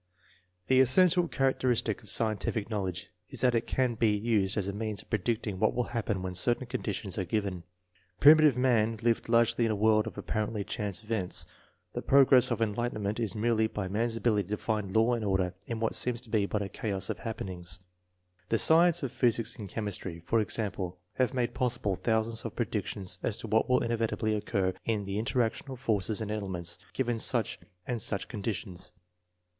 The essential characteristic of scientific knowledge is that it can be used as a means of predicting what will happen when certain conditions are given. Primitive man lived largely in a world of apparently chance events. The progress of enlightenment is measured by man's ability to find law and order in what seems to be but a chaos of happenings. The sciences of physics and chemistry, for example, have made possible thousands of predic tions as to what will inevitably occur in the interaction of forces and elements, given such and such conditions.